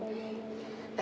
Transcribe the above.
tadi kayaknya gak ada deh